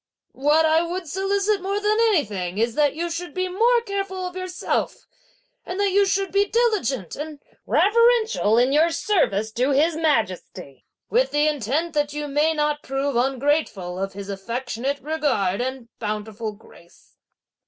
What I would solicit more than anything is that you should be more careful of yourself, and that you should be diligent and reverential in your service to His Majesty, with the intent that you may not prove ungrateful of his affectionate regard and bountiful grace."